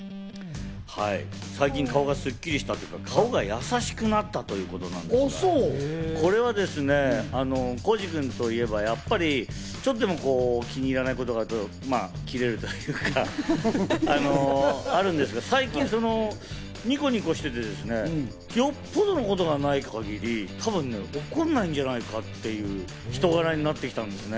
最近顔がスッキリした顔が優しくなった。ということで、これはですね、浩次君といえばやっぱり、ちょっとでも気に入らないことがあるとキレるというか、そういうことがあるんですけど、最近、ニコニコしていて、よっぽどのことがない限り、怒んないんじゃないか？っていう人柄になってきたんですね。